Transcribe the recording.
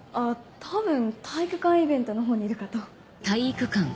多分体育館イベントの方にいるかと。